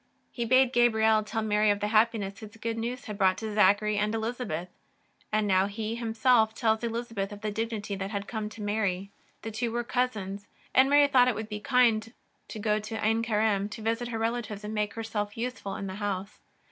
He bade Gabriel tell Mary of the happiness his good news had brought to Zachary and Elizabeth, and now He Him self tells Elizabeth of the dignity that had come to Mary. The two were cousins, and Mary thought it would be kind to go to Ain Karim to visit her relatives and make herself useful in the house.